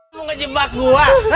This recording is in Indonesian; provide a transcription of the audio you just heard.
lu ngejebak gua